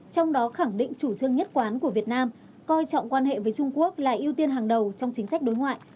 trong đó khẳng định chủ trương nhất quán của việt nam coi trọng quan hệ với trung quốc là ưu tiên hàng đầu trong chính sách đối ngoại